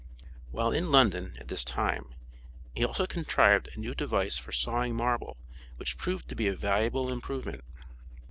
While in London, at this time, he also contrived a new device for sawing marble which proved to be a valuable improvement.